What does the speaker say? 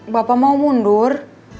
bapak mau mundur